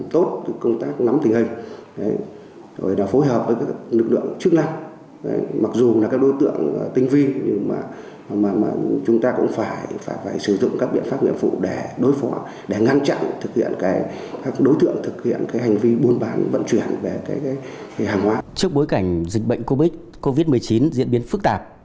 trước bối cảnh dịch bệnh covid một mươi chín diễn biến phức tạp